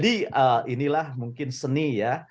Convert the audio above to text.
inilah mungkin seni ya